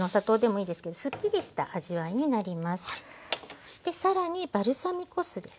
そして更にバルサミコ酢ですね。